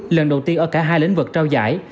lần đầu tiên ở cả hai lĩnh vực trao giải